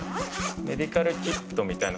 メディカルキットみたいな。